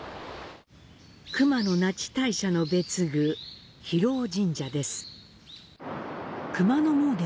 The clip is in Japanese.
熊野那智大社の別宮、飛瀧神社です。